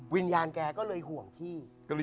วิญญาณแกก็เลยห่วงที่